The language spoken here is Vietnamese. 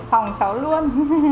phòng cháu luôn